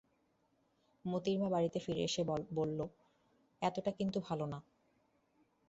মোতির মা বাড়িতে ফিরে এসে বললে, এতটা কিন্তু ভালো না।